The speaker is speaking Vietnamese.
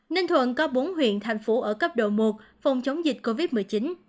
ninh thuận có bốn huyện thành phố ở cấp độ một phòng chống dịch covid một mươi chín